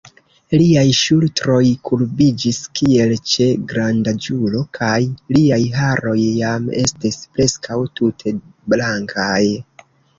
Liaj ŝultroj kurbiĝis, kiel ĉe grandaĝulo, kaj liaj haroj jam estis preskaŭ tute blankaj.